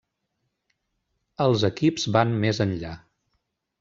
Els equips van més enllà.